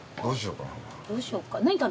どうしようかな？